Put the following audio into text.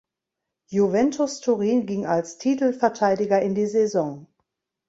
Juventus Turin ging als Titelverteidiger in die Saison.